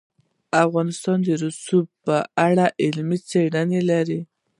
افغانستان د رسوب په اړه علمي څېړنې لري.